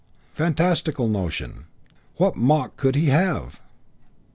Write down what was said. Fantastical notion! What mock could he have?